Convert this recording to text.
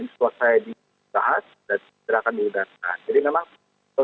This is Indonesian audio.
suasana di bahas dan gerakan diundang